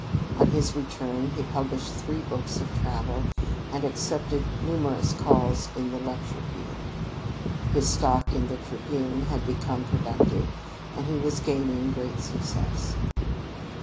On his return, he published three books of travel, and accepted numerous calls in the lecture field. His stock in the "Tribune" had become productive, and he was gaining great success.